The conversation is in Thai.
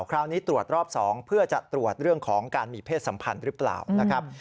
คราวนี้ตรวจรอบ๒เพื่อจะตรวจเรื่องของการมีเพศสัมพันธ์หรือเปล่านะครับ